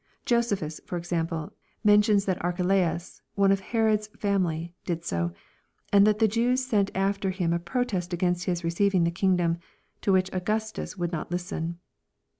Jo sephus, for example, mentions that Archelaus, one of Herod's fam ily, did so, and that the Jews sent after him a protest against his receiving the kingdom, to which Augustus would not listen.